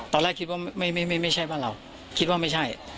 ตอนแรกคิดว่าไม่ใช่บ้านเราคิดว่าไม่ใช่